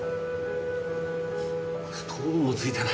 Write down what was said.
ストーブもついてない。